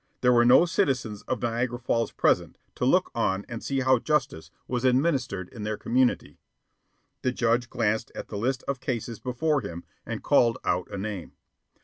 There were no citizens of Niagara Falls present to look on and see how justice was administered in their community. The judge glanced at the list of cases before him and called out a name.